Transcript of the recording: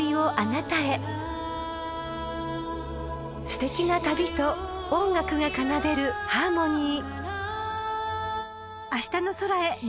［すてきな旅と音楽が奏でるハーモニー］